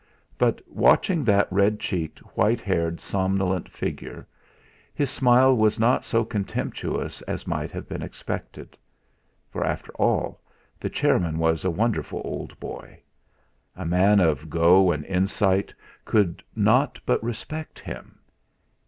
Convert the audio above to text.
But watching that red cheeked, white haired, somnolent figure, his smile was not so contemptuous as might have been expected. For after all, the chairman was a wonderful old boy. A man of go and insight could not but respect him.